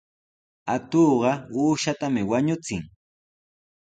Atuqqa uushatami wañuchin.